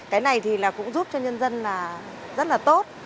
cái này thì là cũng giúp cho nhân dân là rất là tốt